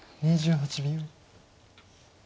２８秒。